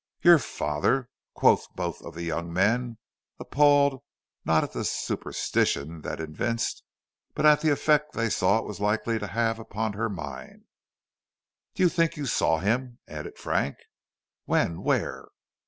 "Your father!" quoth both of the young men, appalled not at the superstition thus evinced, but at the effect they saw it was likely to have upon her mind. "Did you think you saw him?" added Frank. "When? Where?"